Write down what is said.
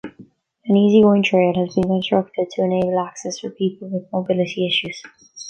An "easy-going trail" has been constructed to enable access for people with mobility issues.